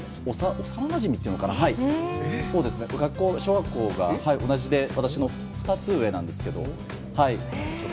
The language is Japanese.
幼なじみっていうのかな、小学校が同じで、私の２つ上なんですけど。